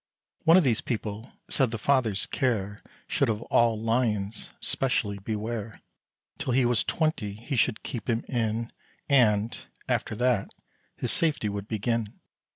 One of these people said the father's care Should of all lions specially beware. Till he was twenty, he should keep him in, And, after that, his safety would begin.